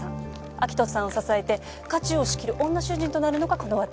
明人さんを支えて家中を仕切る女主人となるのがこの私。